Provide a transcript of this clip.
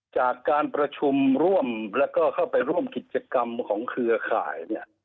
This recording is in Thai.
จากการประชุมร่วมแล้วก็เข้าไปร่วมกิจกรรมของเครือข่ายเนี่ย